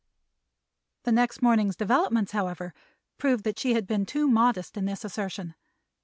The next morning's developments, however, proved that she had been too modest in this assertion.